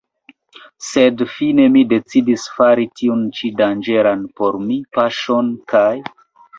Sed fine mi decidis fari tiun ĉi danĝeran por mi paŝon kaj.